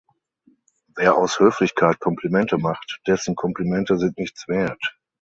Wer aus Höflichkeit Komplimente macht, dessen Komplimente sind nichts wert.